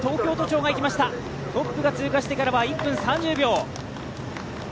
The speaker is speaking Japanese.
トップが通過してからは１分３０秒。